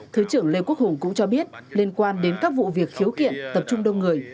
thứ trưởng lê quốc hùng cũng cho biết liên quan đến các vụ việc khiếu kiện tập trung đông người